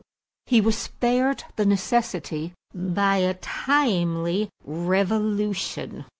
He was spared the necessity by a timely revolution.